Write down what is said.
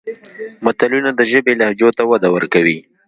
متلونه د ژبې لهجو ته وده ورکوي